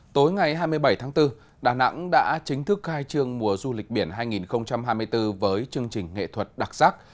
tối ngày hai mươi bảy tháng bốn đà nẵng đã chính thức khai trương mùa du lịch biển hai nghìn hai mươi bốn với chương trình nghệ thuật đặc sắc